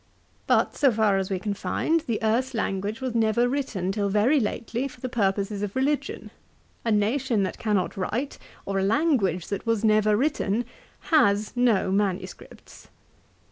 But, so far as we can find, the Erse language was never written till very lately for the purposes of religion. A nation that cannot write, or a language that was never written, has no manuscripts.